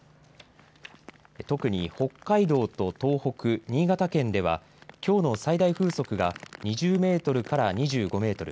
特に北海道と東北、新潟県ではきょうの最大風速が２０メートルから２５メートル